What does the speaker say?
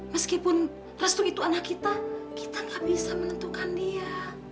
meskipun restu itu anak kita kita gak bisa menentukan dia